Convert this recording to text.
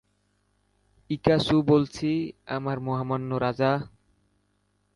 ইকা-চু বলছি, আমার মহামান্য রাজা।